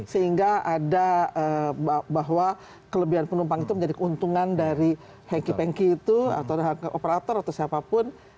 sehingga ada bahwa kelebihan penumpang itu menjadi keuntungan dari hengki pengki itu atau operator atau siapapun